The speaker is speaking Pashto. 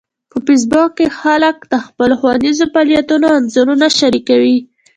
په فېسبوک کې خلک د خپلو ښوونیزو فعالیتونو انځورونه شریکوي